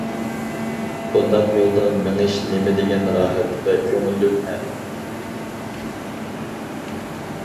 بۇنداق يولدا مېڭىش نېمىدېگەن راھەت ۋە كۆڭۈللۈك ھە!